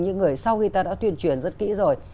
những người sau khi ta đã tuyên truyền rất kỹ rồi